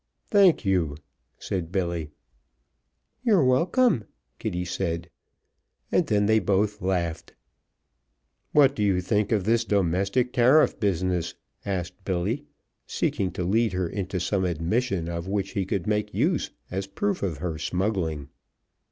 "Thank you," said Billy. "You're welcome," Kitty said, and then they both laughed. "What do you think of this Domestic Tariff business?" asked Billy, seeking to lead her into some admission of which he could make use as proof of her smuggling.